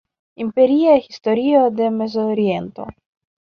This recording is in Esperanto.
Imperia Historio de Mezoriento.